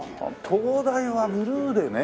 東大がブルーでね。